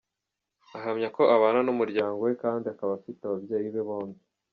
Ahamya ko abana n’umuryango we kandi akaba afite ababyeyi be bombi.